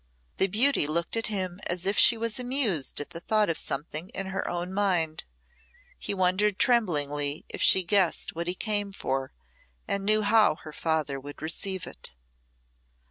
This beauty looked at him as if she was amused at the thought of something in her own mind. He wondered tremblingly if she guessed what he came for and knew how her father would receive it.